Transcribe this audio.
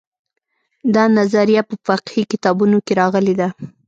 دا نظریه په فقهي کتابونو کې راغلې ده.